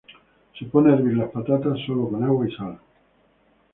Se pone a hervir las patatas sólo con agua y sal.